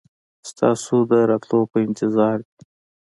ستاسو د راتلو په انتظار دي.